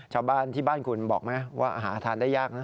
ชาวบ้านที่บ้านคุณบอกไหมว่าหาทานได้ยากนะ